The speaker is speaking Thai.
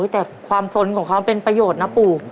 แต่ความสนของเขาเป็นประโยชน์นะปู่